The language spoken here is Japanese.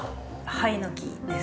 ハイノキです。